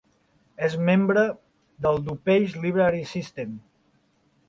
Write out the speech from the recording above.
És membre del DuPage Library System.